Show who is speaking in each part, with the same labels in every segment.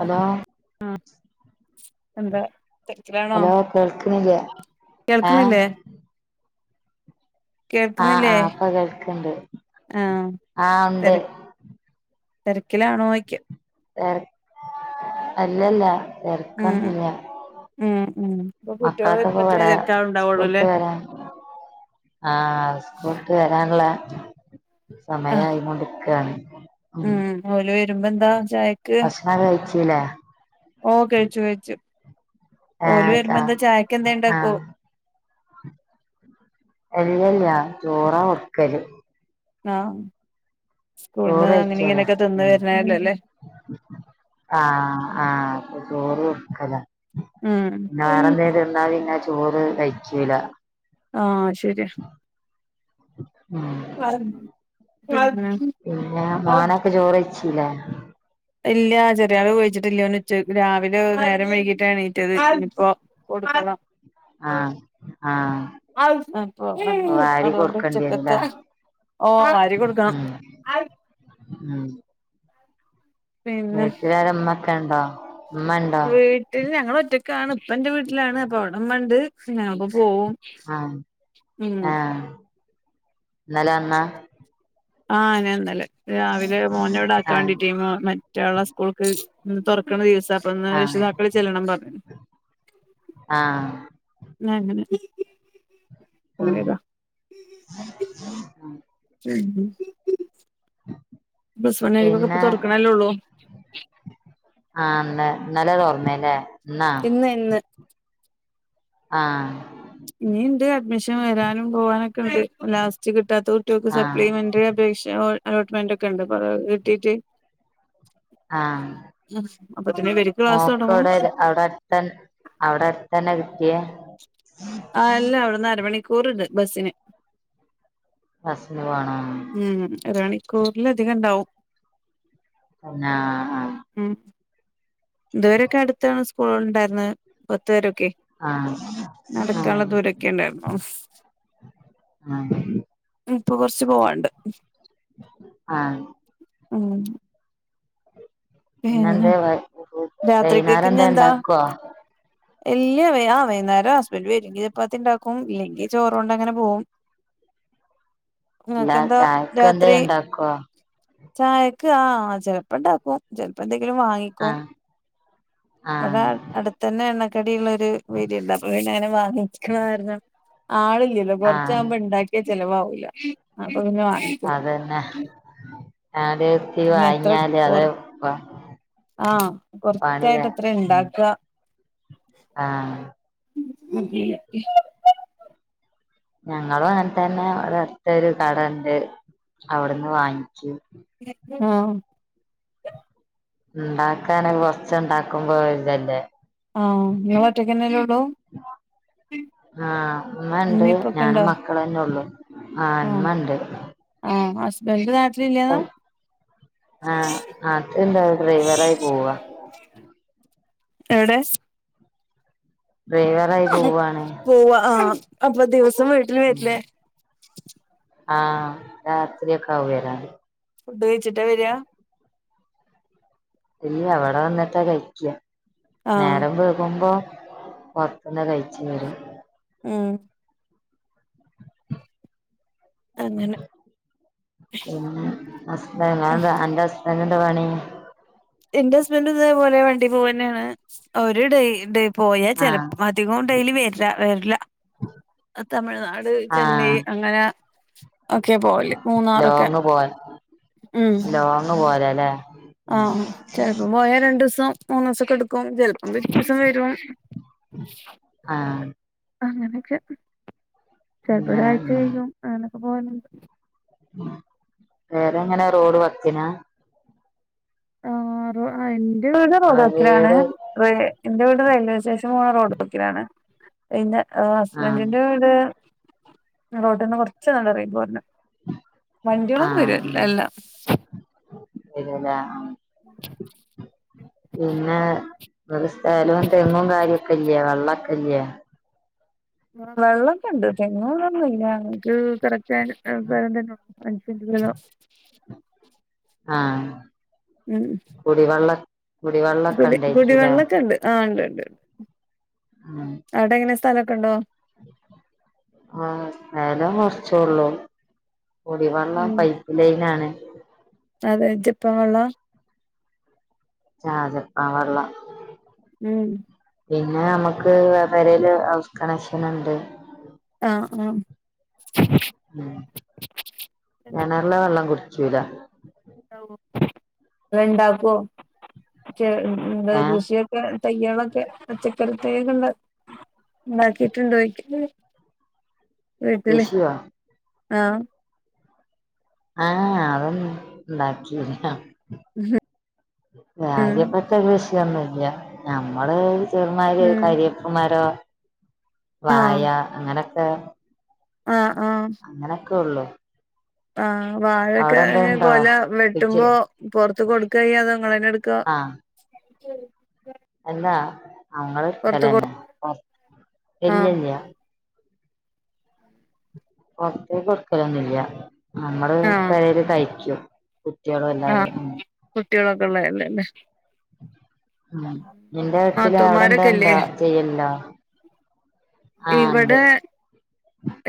Speaker 1: Hello
Speaker 2: ആഹ് എന്താ തിരക്കിലാണോ
Speaker 1: ഹലോ കേൾക്ക്‌ണില്ലേ
Speaker 2: കേൾക്കുന്നില്ലേ
Speaker 1: ആഹ്
Speaker 2: കേൾക്ക്‌ന്നില്ലേ
Speaker 1: ആഹ് ഇപ്പൊ കേൾക്കണ്ട്
Speaker 2: ആ
Speaker 1: ആഹ് ഉണ്ട്
Speaker 2: തെര തെരക്കിലാണോയ്ക്ക
Speaker 1: തെര് അല്ലല്ല
Speaker 2: ഉം
Speaker 1: തെര്ക്കൊന്നുല്ല
Speaker 2: ഉം ഉം ഇപ്പൊ കുട്ടികള് വരുമ്പോത്തനെ
Speaker 1: മക്കളൊക്കെപ്പവടെ സ്കൂള്ട്ട്
Speaker 2: തിരക്കാളുണ്ടാവുള്ളൂല്ലേ
Speaker 1: വെരാൻ ആ സ്കൂള്ട്ട് വെരാള്ളേ
Speaker 2: ആഹ്
Speaker 1: സമയായിങൊണ്ട്ക്കാണ്
Speaker 2: ഉം ഓല് വരുമ്പോ എന്താ ചായക്ക്
Speaker 1: ഭഷ് ണം കഴിച്ചിലെ
Speaker 2: ഓ കഴിച്ചു കഴിച്ചു ഓല്
Speaker 1: ഏഹ് ചാ
Speaker 2: വെരുമ്പോന്താ ചായക്കെന്തേ ണ്ടാക്കോ
Speaker 1: ആഹ് ല്ലല്ല ചോറ കൊട്ക്കല്
Speaker 2: ആ സ്കൂള്ന്ന് അങ്ങനെ ഇങ്ങനൊക്കെ തിന്ന് വെര്ണതല്ലെല്ലേ
Speaker 1: ആ ആ ചോറ് കൊടുക്കല
Speaker 2: ഉം
Speaker 1: വേറെന്തെലും തിന്നാ പിന്നെ ചോറ് കഴിക്കൂല
Speaker 2: ആ അത് ശെരിയാ
Speaker 1: ഉം പിന്നെ മോനൊക്കെ ചോറ് ചില
Speaker 2: ഇല്ല ചെറിയാള് വിളിച്ചിട്ടില്ല ഓന്ച്ച രാവിലെ നേരം വൈകിട്ടാ എണീറ്റത് ഇനിപ്പോ കൊടുക്കണം
Speaker 1: ആഹ് ആഹ്
Speaker 2: അപ്പൊ
Speaker 1: വാരി
Speaker 2: അതോണ്ട്
Speaker 1: കൊടുക്കേണ്ടി
Speaker 2: ഉച്ചക്കത്തെ
Speaker 1: വരുംല്ലേ
Speaker 2: ഓ വാരി കൊടുക്കണം
Speaker 1: ഉം ഉം
Speaker 2: പിന്നെ
Speaker 1: വീട്ടിലാര മ്മക്കെ ണ്ടോ
Speaker 2: വീട്ടില് ഞങ്ങളൊറ്റക്കാണ് ഇപ്പ ന്റെ വീട്ട്ലാണ് അപ്പവടെ മ്മണ്ട് ഞാപ്പോ പോവും
Speaker 1: ആ
Speaker 2: ഉം
Speaker 1: ആ ഇന്നലെ വന്നാ
Speaker 2: ആ ഞാന്നലെ രാവിലെ മോനെവടാക്കാൻ വേണ്ടിട്ടെ
Speaker 1: ആഹ്
Speaker 2: മോ മറ്റ് റ്റോളെ സ്കൂൾക്ക് ഇന്ന് തൊർക്ക്‌ണ ദിവസ അപ്പൊന്ന്
Speaker 1: ആഹ്
Speaker 2: രക്ഷിതാക്കള് ചെല്ലണം പർഞ്
Speaker 1: ആ ആഹ്
Speaker 2: [unintelligible]
Speaker 1: പിന്നെ
Speaker 2: [inaudible]
Speaker 1: [inaudible]
Speaker 2: പ്ലസ് വൺകാര്ക്കൊക്കെ പ്പ തൊർക്കണല്ലേ ള്ളൂ
Speaker 1: ആ ന്ന് ഇന്നലെ തൊർന്ന് ലെ ന്നോ
Speaker 2: ഇന്ന് ഇന്ന്
Speaker 1: ആ
Speaker 2: ഞ്ഞിണ്ട് അഡ്മിഷൻ വെരാനും പോവാനൊക്കെണ്ട് ലാസ്റ്റ് കിട്ടാത്ത കുട്ട്യാക്ക്
Speaker 1: ആഹ്
Speaker 2: സപ്ലിമെന്ററി അപേക്ഷ [unintelligible] അലോട്ട്മെന്റക്കെ ണ്ട് പ്പതൊക്കെ കിട്ടീട്ട്
Speaker 1: ആഹ്
Speaker 2: ഉം അപ്പോത്തിന് ഇവര്ക്ക് ക്ലാസ്സൊടങ്ങും
Speaker 1: [unintelligible] അവടെട്ത്തെന്നെ കിട്ട്യേ
Speaker 2: ആ അല്ല അവ്ട്ന്ന് അരമണിക്കൂർണ്ട് ബസ്സിന്
Speaker 1: ബസിന് പോണം
Speaker 2: ഉം അരമണിക്കൂറിലധികം ഇണ്ടാവും
Speaker 1: പിന്നെ ആഹ്
Speaker 2: ഉം ഇതുവരൊക്കെ അടുത്താണ് സ്കൂള് ഉണ്ടായിരുന്നെ പത്ത് വരൊക്കെ
Speaker 1: ആഹ്
Speaker 2: നടക്കാൻള്ള
Speaker 1: ആഹ്
Speaker 2: ദൂരൊക്കെണ്ടായിരുന്നുള്ളൂ
Speaker 1: ആഹ്
Speaker 2: ഇപ്പൊ കൊറച്ച് പോവാണ്ട്
Speaker 1: ആഹ്
Speaker 2: ആഹ് പിന്നെ
Speaker 1: പിന്നെന്തേ വൈന്നേരം
Speaker 2: രാത്രിക്കക്ക്
Speaker 1: എന്തേ
Speaker 2: ഇഞ്ഞെന്താ?
Speaker 1: ഇണ്ടാക്കോ
Speaker 2: ഇല്ല ആഹ് വൈന്നേരം ഹസ്ബൻഡ് വരങ്കിൽ ചപ്പാത്തി ഇണ്ടാക്കും ഇല്ലെങ്കി ചോറോണ്ട് അങ്ങനെ പോകും
Speaker 1: അല്ല
Speaker 2: ങ്ങക്കെന്താ
Speaker 1: ചായക്ക് എന്തേ
Speaker 2: രാത്രി
Speaker 1: ഇണ്ടാക്കോ
Speaker 2: ചായക്ക് ആഹ് ചിലപ്പ ഇണ്ടാക്കും ചിലപ്പോ എന്തെങ്കിലും വാങ്ങി കു
Speaker 1: ആഹ്
Speaker 2: വടെ
Speaker 1: ആഹ്
Speaker 2: അടുത്തന്നെ എണ്ണക്കടി ഇള്ളരു വീടണ്ട് അപ്പൊ വീ അങ്ങനെ വാങ്ങിക്ക്ണാ കാരണം ആളില്ല
Speaker 1: ആഹ്
Speaker 2: കുറച്ചവുമ്പോ ഇണ്ടാക്കിയ ചെലവവൂല അപ്പൊ പിന്നെ വാ
Speaker 1: അതന്നെ ഞല് ത്തി
Speaker 2: പിന്നെ എത്ര
Speaker 1: വാങ്ങിയാല്
Speaker 2: കൊറ
Speaker 1: അത്
Speaker 2: ആഹ്
Speaker 1: പണി വേ
Speaker 2: കൊറച്ചായിട്ട് എത്ര
Speaker 1: ഉം
Speaker 2: ഇണ്ടാക്ക
Speaker 1: ആഹ്
Speaker 2: അത ക്കെ
Speaker 1: ഞങ്ങളും അങ്ങൽ തന്നെ ഇവിടെ അട്ത്ത ഒരു കടണ്ട് അവിട്ന്ന് വാങ്ങിക്കു
Speaker 2: ആഹ്
Speaker 1: ഇണ്ടാക്കാന കൊറച്ച ഇണ്ടാക്കുമ്പോ ഇതല്ലേ
Speaker 2: ആഹ് ങ്ങള് ഒറ്റക്കന്നെല്ലേ ഒള്ളൂ മ്മി പ്പക്കെ ഇണ്ടാ?
Speaker 1: ക്കളെന്നേ ഒള്ളു ആഹ് ഇമ്മണ്ട്
Speaker 2: എഹ് ഹസ്ബൻഡ് നാട്ടില് ഇല്ല ന്നാ?
Speaker 1: ഇണ്ട് ഡ്രൈവറായി പോവ
Speaker 2: എവിടെ
Speaker 1: [unintelligible] പോവാണ്
Speaker 2: പോവാ ആഹ് അപ്പൊ ദിവസം വീട്ടില് വരില്ലേ
Speaker 1: ആഹ് രാത്രി ഒക്കെ ആവു വരാന്
Speaker 2: ഫുഡ് കഴിച്ചിട്ട വര
Speaker 1: ഇല്ല അവിടെ വന്നിട്ടാ കഴിക്ക
Speaker 2: ആഹ്
Speaker 1: നേരം വൈകുമ്പോ പൊറത്ത്ന്ന് കഴിച്ച് വരു
Speaker 2: ഉം അങ്ങനെ
Speaker 1: പിന്നെ അസ്ബ ഞ ന്താ അന്റെ ഹസ്ബൻഡ് ന്റെ പണി
Speaker 2: ഇന്റെ ഹസ്ബൻഡ് ഇതേ പോലെ വണ്ടി പോവന്നെണ് ഒര് ഡെയ് ഡെയ് പോയാ
Speaker 1: ആഹ്
Speaker 2: ചെിലപ്പ അധികം ഡെയ്ലി വര്ല വരില്ല തമിഴ്നാട് ചെന്നൈ
Speaker 1: ആഹ്
Speaker 2: അങ്ങനെ ഒക്കെ പോവല് മൂന്നാറൊക്കെ
Speaker 1: ലോങ്ങ്
Speaker 2: ഉം
Speaker 1: [unintelligible] ല്ലേ
Speaker 2: ആഹ് ചെലപ്പം പോയാ രണ്ടുസം മൂന്നുസക്കെ എടുക്കും ചെലപ്പം പിറ്റെ സം വരും
Speaker 1: ആഹ്
Speaker 2: അങ്ങനെക്കെ
Speaker 1: അങ്ങനെ
Speaker 2: ചിലപ്പോരാഴ്ച
Speaker 1: ഉം
Speaker 2: കയ്യും ആങ്ങനൊക്കെ പോവാൻ
Speaker 1: പെർങ്ങനെ റോഡ് വക്കിനാ?
Speaker 2: ആഹ് ആഹ് ഇന്റെ വീട് റോഡ്
Speaker 1: ഇങ്ങളെ
Speaker 2: വക്കിലാണ്
Speaker 1: വീട്
Speaker 2: ഇന്റെ വീട് റെയിൽവേ സ്റ്റേഷൻ പോണ റോഡ് വക്കിലാണ് പിന്നെ
Speaker 1: ആഹ്
Speaker 2: ഹസ്ബൻഡിന്റെ വീട് റോട്ടിൽന്ന് കൊറച്ച് അണ്ട് എറങ്ങി പോരണം
Speaker 1: ആഹ് അഹ് വരുല്ലേ പിന്നെ [unintelligible] സ്ഥലവും തെങ്ങും കാര്യൊക്കെ ഇല്ലേ വെള്ളക്കെ ഇല്ലേ
Speaker 2: വെള്ളക്കെ ഇണ്ട് തെങ്ങു ഇതൊന്നു ഇല്ല ഇക്ക് കറക്റ്റായി [unintelligible]
Speaker 1: ആഹ്
Speaker 2: ഉം
Speaker 1: കുടിവെള്ളം കുടിവെള്ളക്കെ ഇണ്ടായിക്കൂലേ
Speaker 2: ആഹ് ഇണ്ട് ഇണ്ട്ണ്ട്
Speaker 1: ഉം
Speaker 2: അവിടെ എങ്ങനെ സ്ഥലൊക്കെ ഇണ്ടോ?
Speaker 1: ആഹ് സ്ഥലം കൊർച്ചോള്ളൂ കുടിവള്ളം
Speaker 2: ഉം
Speaker 1: പൈ പ്പ് ലൈനാണ്
Speaker 2: അതെ ജപ്പാൻ വെള്ളാ
Speaker 1: ആഹ് അതെ ജപ്പാൻ വെള്ളം
Speaker 2: ഉം
Speaker 1: പിന്നെ നമ്മക്ക് പെരേല് ഹൗസ് കണക്ഷന്ണ്ട്
Speaker 2: ആഹ് ആഹ്
Speaker 1: ഉം കെണർലെ വെള്ളം കുടിക്കൂല
Speaker 2: ണ്ടാവോ [unintelligible] [unintelligible]
Speaker 1: ഏഹ്
Speaker 2: കൃഷിയൊക്കെ തയ്യാളൊക്കെ പച്ചക്ക് ക്കറി തൈകള് ഇണ്ടാ ഇണ്ടാക്കിട്ടുണ്ടോ ചോയിക്കാ വീട്ടില്
Speaker 1: കൃഷിയോ
Speaker 2: ആഹ്
Speaker 1: ആഹ് അതൊന്നു ഇണ്ടാക്കില്ല
Speaker 2: ഉം
Speaker 1: കാര്യപ്പെട്ട് ട്ട കൃഷിയൊന്നുല്ല നമ്മള് ചെറുമാരി ഒര്
Speaker 2: ഉം
Speaker 1: കര്യേപ്പ് മരം വായ അങ്ങനൊക്കെ
Speaker 2: ആഹ് ആഹ്
Speaker 1: അങ്ങനെക്കെ ഒള്ളൂ
Speaker 2: ആഹ് വാഴൊക്കെ അയിന്
Speaker 1: ഉണ്ടോ
Speaker 2: കൊല
Speaker 1: പിച്ച്
Speaker 2: വെട്ടുമ്പോ പൊറ്ത്ത്ക്കൊട്ക്കായ്യാ അതോ ഇങ്ങളെന്നെട്ക്കാ
Speaker 1: ആഹ്
Speaker 2: എൻക്കൊര്
Speaker 1: അല്ലാ
Speaker 2: പൊറത്ത് കൊ
Speaker 1: അങ്ങളെട്ക്കലന്നെ പൊറത്ത്
Speaker 2: ആ
Speaker 1: ഇല്ലല്ല്യ പൊർത്തേക്കൊടുക്കലൊന്നുല്ല നമ്മള്
Speaker 2: ആഹ്
Speaker 1: പെരെല് കയ്ക്കും
Speaker 2: ആഹ് കുട്ടിയേളൊക്കെ ഇള്ളെല്ലെ ല്ലേ
Speaker 1: ഉം നിന്റെ വീട്ടില് അവ്ടെ
Speaker 2: നാത്തൂമാരൊക്കെല്ലേ
Speaker 1: എന്തേണ്ടോ ചെയ്യല്ണ്ടോ
Speaker 2: ഇവടെ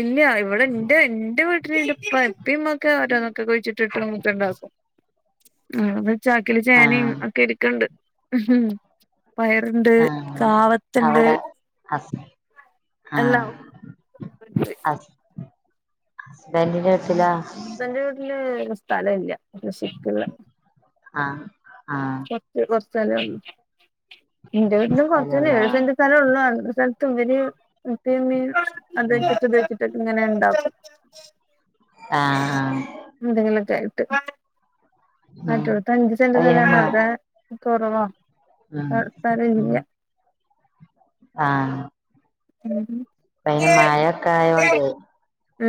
Speaker 2: ഇല്ല ഇവടെ ന്റെ ന്റെ വീട്ട്ല് ന്റെപ്പെ ഇപ്പമ്മൊക്കെ ഓരോന്നൊക്കെ കുഴിച്ചിട്ടിട്ടും [unintelligible] ഉം [unintelligible] ചാക്കില് ചേനേ
Speaker 1: ആഹ്
Speaker 2: ഒക്കെ ഇരിക്ക്ണ്ട് പയറ്ണ്ട്
Speaker 1: ആഹ്
Speaker 2: കാവത്ത്ണ്ട്
Speaker 1: അവ്ടെ ഹസ്ബന്റ്
Speaker 2: എല്ലാം
Speaker 1: ആഹ് അസ് ഹസ്ബന്റിന്റെ വീട്ടിലോ
Speaker 2: ഹസ്ബൻ്റിൻ്റെ വീട്ടില് സ്ഥലല്ല കൃഷിക്ക്ള്ളെ
Speaker 1: ആഹ് ആഹ്
Speaker 2: കൊർച്ച് കൊർച്ച് സ്ഥലേള്ളു ഇന്റെ വീട്ടിലും കൊർച്ചെന്നെ
Speaker 1: സ്ഥലൊള്ളൂ
Speaker 2: ഏഴ്
Speaker 1: ആഹ്
Speaker 2: സെൻ്റ് സ്ഥലോള്ളു [unintelligible] ഇവര് ഉപ്പേം ഉമ്മേം [unintelligible]
Speaker 1: ഉം
Speaker 2: റ്റക്ക് ഇങ്ങനെണ്ടാക്കും
Speaker 1: ആഹ് ആഹ്
Speaker 2: എന്തെങ്കിലൊക്കൊയിട്ട് മറ്റോട്ത്ത് അഞ്ച്സെന്റ്
Speaker 1: അയ്നമ്മ
Speaker 2: സ്ഥലണ്ടാവും ഏഹ് കൊറവാ
Speaker 1: ഉം
Speaker 2: അവിടെ സ്ഥലം
Speaker 1: ഉം
Speaker 2: ഇല്ല
Speaker 1: ആഹ്
Speaker 2: [inaudible]
Speaker 1: പ്പയിന് മയെക്കെ ആയോണ്ട്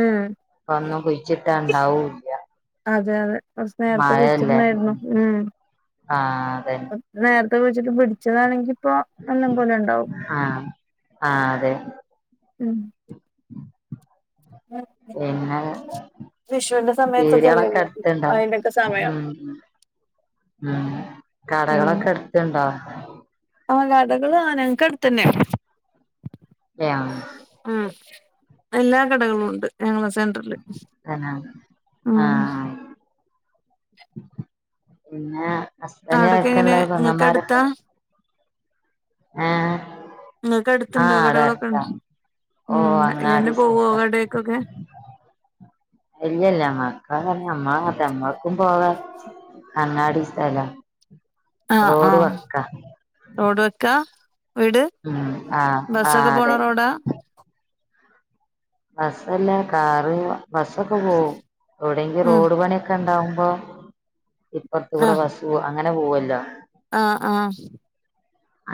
Speaker 2: ഉം
Speaker 1: ഒന്നും കുഴിച്ചിട്ടാ ഇണ്ടാവൂല്ലാ
Speaker 2: അതെ അതെ കൊർച്ച് നേരത്തെ
Speaker 1: മഴയല്ലേ
Speaker 2: കുയിച്ചിട്ണാരുന്നു ഉം
Speaker 1: ആഹ് അതെന്നെ
Speaker 2: നേര്ത്തെ കുയിച്ചിട്ട് പൊരിച്ചതാണെങ്കി ഇപ്പോ നല്ലം പോലെണ്ടാവും.
Speaker 1: ആഹ് ആഹ് അതെ
Speaker 2: ഉം
Speaker 1: പിന്നെ
Speaker 2: വിഷുവിന്റെ സമയത്തൊക്കെ അല്ലേ
Speaker 1: പീട്യാളൊക്കെ അടുത്ത് ണ്ടോ
Speaker 2: അതിനൊക്കെ
Speaker 1: ഉം
Speaker 2: സമയം
Speaker 1: ഉം ഉം കടകളൊക്കെ അട്ത്ണ്ടോ
Speaker 2: ആഹ് കടകൾ ആ ഞങ്ങക്ക് അടുത്തന്നെ
Speaker 1: ഏഹ്
Speaker 2: ഉം എല്ലാ കടകളും ഉണ്ട് ഞങ്ങ സെൻറ്ററിൽ.
Speaker 1: തന്നെ
Speaker 2: ആഹ്
Speaker 1: പിന്നെ ഹസ്ബന്റ്
Speaker 2: അവിടൊക്കെ
Speaker 1: ആരൊക്കെ
Speaker 2: എങ്ങനെ
Speaker 1: ള്ളെ
Speaker 2: നിങ്ങൾക്ക്
Speaker 1: പൊങ്ങന്മാരൊക്കെ
Speaker 2: അടുത്താ
Speaker 1: ആഹ്‌
Speaker 2: നിങ്ങക്ക് അടുത്തുണ്ടോ കടകളൊക്കെ ഉണ്ടോ
Speaker 1: ഓഹ്
Speaker 2: ഉം
Speaker 1: അങ്ങാടി
Speaker 2: [unintelligible] പോവോ
Speaker 1: സൈഡാ
Speaker 2: കടേക്കൊക്കെ
Speaker 1: ഇല്ലല്ല മക്കാ അമ്മ അത അമ്മക്കും പോവാ. അങ്ങാടി സ്ഥലാ.
Speaker 2: ആഹ് ആഹ് റോഡ് വക്കാ വീട്
Speaker 1: ഉം ആഹ് ആഹ്
Speaker 2: ബസ്സൊക്കെ പോണ
Speaker 1: അതെ
Speaker 2: റോഡാ?
Speaker 1: ബസ്സല്ല കാറ് ബസ്സൊക്കെ പോവും എവിടെയെങ്കും
Speaker 2: ഉം
Speaker 1: റോഡ് പണിയൊക്കെ ഉണ്ടാവുമ്പോ ഇപ്പറത്ത കൂടെ
Speaker 2: ആഹ്
Speaker 1: ബസ് അങ്ങനെ പോവല്ലോ
Speaker 2: ആഹ് ആഹ്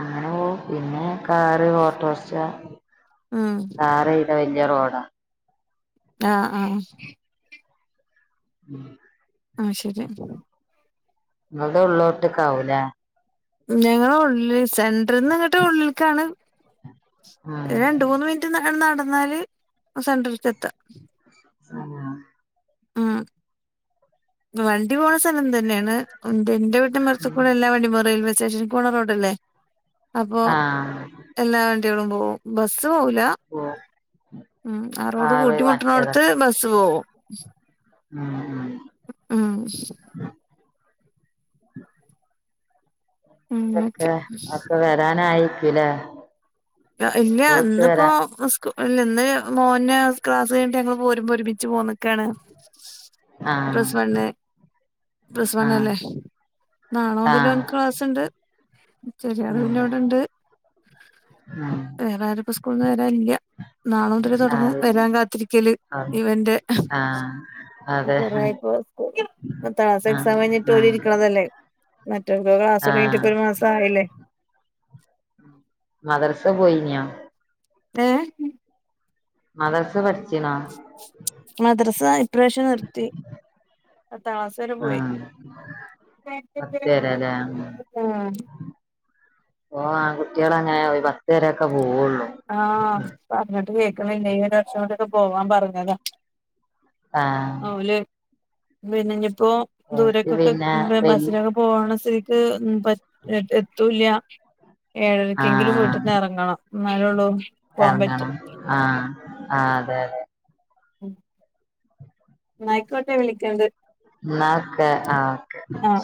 Speaker 1: അങ്ങനെ പിന്നെ കാറ് ഓട്ടോറിക്ഷ
Speaker 2: ഉം
Speaker 1: ഡാർ ഇത വല്യ റോഡാ
Speaker 2: ആഹ് ആഹ്
Speaker 1: ഉം
Speaker 2: ആഹ് ശരി.
Speaker 1: നിങ്ങളുടെ ഉള്ളിലോട്ടേക്ക ആവൂലേ
Speaker 2: ഞങ്ങള ഉള്ളിൽ സെൻററിൽന്ന് നിങ്ങട്ട് ഉള്ളിലക്കാണ്
Speaker 1: ഉം
Speaker 2: ഒരു രണ്ട മൂന്ന് മിനി റ്റ് നടന്നാല് സെന്ററിക്ക് എത്താം.
Speaker 1: ആഹ്
Speaker 2: ആഹ് വണ്ടി പോണ സ്ഥലം തന്നെയാണ് എ എന്റെ വീട്ടന്റെ മറത്തുക്കൂടെ എല്ലാ വണ്ടി പോ റെയിൽവേ സ്റ്റേഷൻ കോണ റോഡ്ല്ലേ അപ്പോൾ
Speaker 1: ആഹ് ആഹ്
Speaker 2: എല്ലാ വണ്ടികളും പോവും ബസ്സ് പോകില്ല.
Speaker 1: ഓഹ്
Speaker 2: ഉം ആ റോഡ് കൂട്ടി മുട്ടണോടുത്ത്
Speaker 1: മറ്റേതൊക്കെ
Speaker 2: ബസ്സ് പോവും.
Speaker 1: ഉം ഉം
Speaker 2: ഉം അങ്ങനൊക്കെ
Speaker 1: അന്തൊക്കെ ഒക്കെ വരാനായിരിക്കൂലേ
Speaker 2: ഇല്ല ഇന്നിപ്പോ നിസ് ഇല്ലന്ന് മോൻ ക്ലാസ് കഴിട്ട് ഞങ്ങള് പോരുമ്പ ഒരുമിച്ച് പോന്നൊക്കെയാണ്.
Speaker 1: ആഹ്
Speaker 2: പ്ലസ് വൺ. പ്ലസ്
Speaker 1: ആഹ്
Speaker 2: വണല്ലേ നാളെ മുതൽ
Speaker 1: ആഹ്
Speaker 2: ഓന്ക്ക് ക്ലാസ് ഉണ്ട്. ചെറിയ ആൾ
Speaker 1: ഉം
Speaker 2: പിന്നെ ഇവിടെണ്ട്.
Speaker 1: ഉം
Speaker 2: വേറെ ആരും പ്പോ സ്കൂൾ ന്ന് വരാല്ല. നാള മുതൽ തുടങ്ങും
Speaker 1: അത്
Speaker 2: വരാൻ കാത്തിരിക്കല്
Speaker 1: ആഹ്
Speaker 2: ഇവന്റെ
Speaker 1: അതെ
Speaker 2: കൊറേപ്പ പത്താം ക്ലാസ്
Speaker 1: ആഹ്
Speaker 2: എക്സാം കഴിഞ്ഞിട്ട് പോല
Speaker 1: ആഹ്
Speaker 2: ഇരിക്കണതല്ലേ മറ്റർക്കക്ക് ക്ലാസ്
Speaker 1: ആഹ്
Speaker 2: തുടങ്ങട്ട് മാസ- ആയില്ലേ
Speaker 1: മദ്രസ പോയിനോ
Speaker 2: ഏഹ....
Speaker 1: മദ്റസ പഠിച്നോ?....
Speaker 2: മദ്റസ ഇപ്രാവശ്യം നിർത്തി പത്താം ക്ലാസ് വരെ പോയി....
Speaker 1: ആഹ് പത്ത് വരെല്ലേ
Speaker 2: [unintelligible]
Speaker 1: ഓ ആ കുട്ടികളങ്ങെ ഒരു പത്ത് വ രൊക്കെ പോവുള്ളു....
Speaker 2: ആഹ പറഞ്ഞിട്ട് കേക്ണില്ലേയ് പിന്നെ ഈ ഒരു വർഷം കുടി പോവാൻ പറഞ്ഞതാ......
Speaker 1: ആഹ.....
Speaker 2: ഓല് പിന്നെഞ്പ്പോ
Speaker 1: ഓൽക്ക്
Speaker 2: ദൂരക്കൊക്കെ
Speaker 1: പിന്നെ വൽ
Speaker 2: ബസിലൊ പോണ സേക്ക് പ എത്തൂല്ല ഏഴരക്കെങ്കിലും
Speaker 1: ആഹ്
Speaker 2: വീട്ട്ന്ന് എറങ്ങണം എന്നാലൊള്ളു പോവാൻ പറ്റ
Speaker 1: എറങ്ങണം ആഹ് ആഹ് അതെ അതെ
Speaker 2: ഉം ന്നാ അയിക്കോട്ടെ വിളിക്കണ്ട്
Speaker 1: ന്നാ ഒക്കെ ആഹ്
Speaker 2: ആഹ്